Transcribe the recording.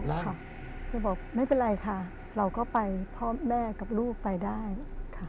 เคยบอกไม่เป็นไรค่ะเราก็ไปพ่อแม่กับลูกไปได้ค่ะ